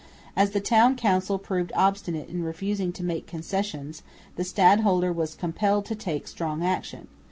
As the Town Council proved obstinate in refusing to make concessions, the stadholder was compelled to take strong action.